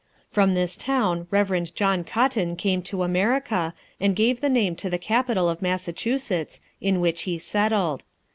From this town Reverend John Cotton came to America, and gave the name to the capital of Massachusetts, in which he settled.